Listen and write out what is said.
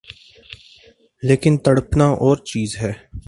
لیکن تڑپنا اورچیز ہے۔